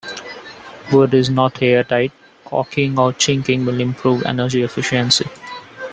Wood is not airtight - caulking or chinking will improve energy efficiency.